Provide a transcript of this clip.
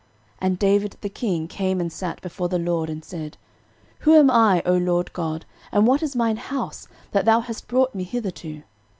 13:017:016 And David the king came and sat before the LORD, and said, Who am I, O LORD God, and what is mine house, that thou hast brought me hitherto?